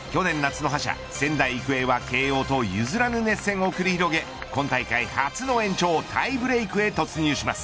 去年夏の覇者、仙台育英は慶応と譲らぬの熱戦をくり広げ今大会初の延長タイブレークへ突入します。